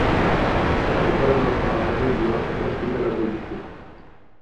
Je autorem rozsáhlého díla z oblasti pedagogiky.